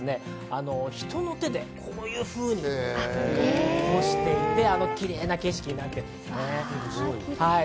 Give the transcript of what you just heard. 実際、今も人の手で、こういうふうに干していてきれいな景色になっているんです。